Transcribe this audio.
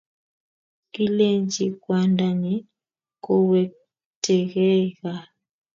Kilenchi kwandanyin kowektagei gaa.